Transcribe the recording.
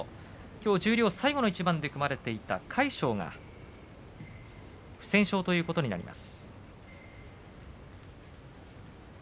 十両最後の一番で組まれていた魁勝との取組、魁勝が不戦勝ということになります。